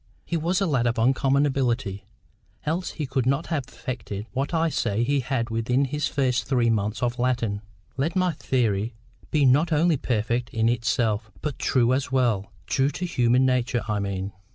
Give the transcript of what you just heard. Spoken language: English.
He was a lad of uncommon ability, else he could not have effected what I say he had within his first three months of Latin, let my theory be not only perfect in itself, but true as well—true to human nature, I mean.